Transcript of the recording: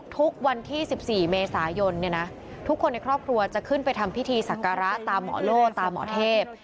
วันที่๑๔เมษายนทุกคนในครอบครัวจะขึ้นไปทำพิธีศักระตามหมอโล่ตามหมอเทพ